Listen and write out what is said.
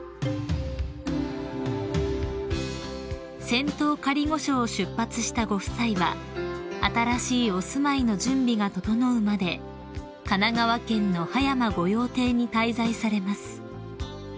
［仙洞仮御所を出発したご夫妻は新しいお住まいの準備が整うまで神奈川県の葉山御用邸に滞在されます］